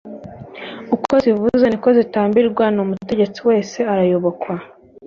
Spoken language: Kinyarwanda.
Uko zivuze niko zitambirwa ni Umutegetsi wese arayobokwa.